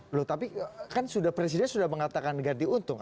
loh tapi kan sudah presiden sudah mengatakan ganti untung